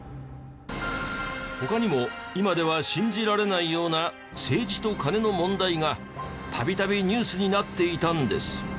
他にも今では信じられないような政治とカネの問題が度々ニュースになっていたんです。